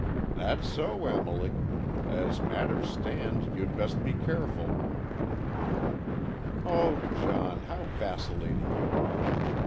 "That's so, Emily. As matters stand, you'd best be careful." "Oh, John, how vacillating you are!